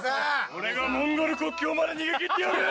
俺がモンゴル国境まで逃げ切ってやる！